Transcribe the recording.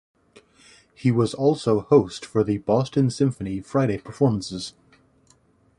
He was also host for the Boston Symphony Friday performances.